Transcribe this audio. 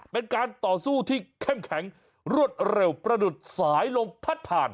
เป็นการต่อสู้ที่เข้มแข็งรวดเร็วประดุษสายลมพัดผ่าน